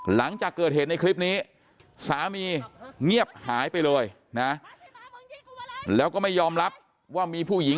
หลังจากเกิดเหตุในคลิปนี้สามีเงียบหายไปเลยนะแล้วก็ไม่ยอมรับว่ามีผู้หญิง